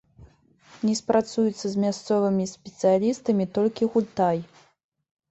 Не спрацуецца з мясцовымі спецыялістамі толькі гультай.